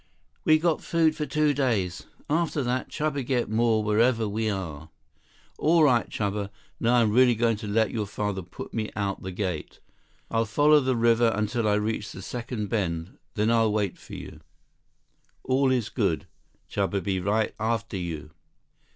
We got food for two days. After that, Chuba get more wherever we are." "All right, Chuba. Now I'm really going to let your father put me out the gate. I'll follow the river until I reach the second bend. Then I'll wait for you." "All is good. Chuba be right after you.